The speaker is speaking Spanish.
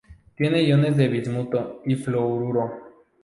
Tiene iones de bismuto y fluoruro.